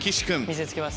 見せつけます。